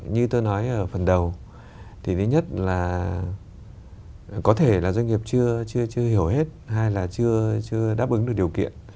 như tôi nói ở phần đầu thì thứ nhất là có thể là doanh nghiệp chưa hiểu hết hay là chưa đáp ứng được điều kiện